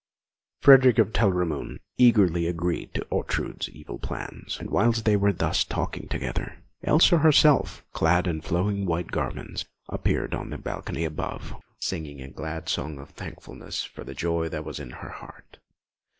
Frederick of Telramund eagerly agreed to Ortrud's evil plans; and whilst they were thus talking together, Elsa herself, clad in flowing white garments, appeared on the balcony above, singing a glad song of thankfulness for the joy that was in her heart.